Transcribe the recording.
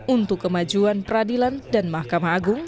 untuk kemajuan peradilan dan mahkamah agung